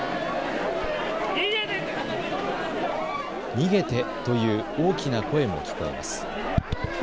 逃げてという大きな声も聞こえます。